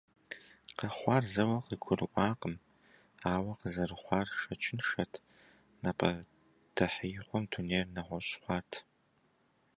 Къэхъуар зэуэ къыгурыӀуакъым, ауэ къызэрыхъуар шэчыншэт, напӀэдэхьеигъуэм дунейр нэгъуэщӀ хъуат.